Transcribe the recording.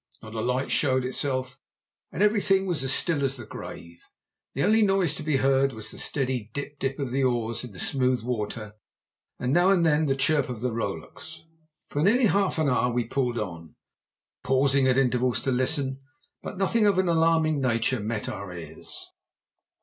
Not a light showed itself, and everything was as still as the grave; the only noise to be heard was the steady dip, dip of the oars in the smooth water and now and then the chirp of the rowlocks. For nearly half an hour we pulled on, pausing at intervals to listen, but nothing of an alarming nature met our ears.